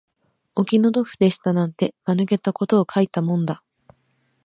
お気の毒でしたなんて、間抜けたことを書いたもんだ